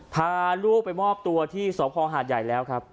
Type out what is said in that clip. พาลูกไปมอบตัวที่สพหาดใหญ่แล้วครับ